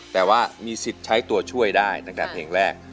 แต่ว่ามีสิทธิ์ใช้ตัวช่วยได้ตั้งแต่เพลงแรก